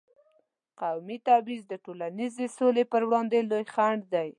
قومي تبعیض د ټولنیزې سولې پر وړاندې لوی خنډ دی.